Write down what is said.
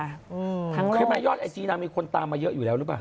ใช่ไหมยอดไอซีนางมีคนตามมาเยอะอยู่แล้วหรือเปล่า